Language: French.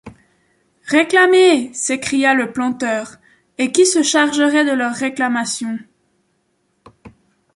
Réclamer, s’écria le planteur, et qui se chargerait de leurs réclamations?...